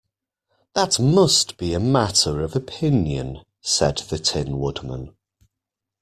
"That must be a matter of opinion," said the Tin Woodman.